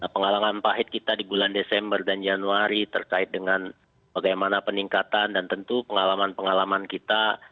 pengalaman pahit kita di bulan desember dan januari terkait dengan bagaimana peningkatan dan tentu pengalaman pengalaman kita